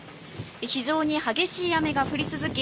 非常に激しい雨が降り続き